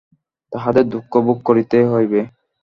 তাহাদের দুঃখ ভোগ করিতেই হইবে।